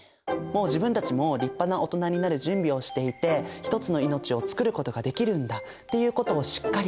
もう自分たちも立派な大人になる準備をしていて一つの命を作ることができるんだっていうことをしっかり考えてね